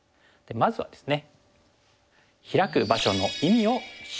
まずはですね。